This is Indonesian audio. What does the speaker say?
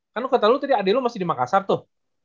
kan lu kata lu tadi adek lu masih di makassar tuh